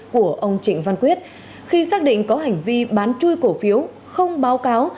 của ông trịnh văn quyết khi xác định có hành vi bán chui cổ phiếu không báo cáo